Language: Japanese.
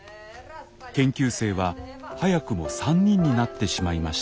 研究生は早くも３人になってしまいました。